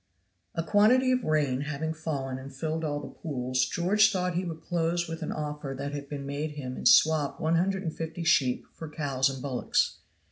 A quantity of rain having fallen and filled all the pools, George thought he would close with an offer that had been made him and swap one hundred and fifty sheep for cows and bullocks.